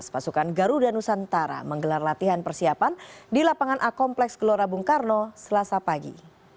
pasukan garuda nusantara menggelar latihan persiapan di lapangan a kompleks gelora bung karno selasa pagi